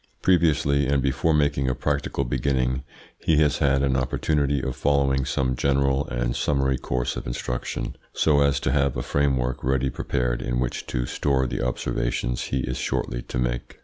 Previously, and before making a practical beginning, he has had an opportunity of following some general and summary course of instruction, so as to have a framework ready prepared in which to store the observations he is shortly to make.